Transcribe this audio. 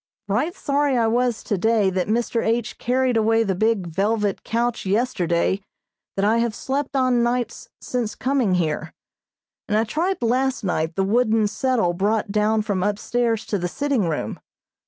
Right sorry I was today that Mr. H. carried away the big velvet couch yesterday that I have slept on nights since coming here, and I tried last night the wooden settle brought down from upstairs to the sitting room.